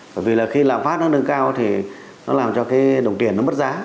bởi vì là khi lãm pháp nó dâng cao thì nó làm cho cái đồng tiền nó mất giá